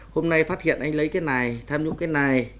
hôm nay phát hiện anh lấy cái này tham nhũng cái này